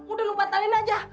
udah lu batalin aja